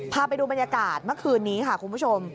พาไปดูบรรยากาศเมื่อคืนนี้ค่ะคุณผู้ชม